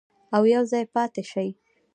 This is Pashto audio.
او یوځای پاتې شي.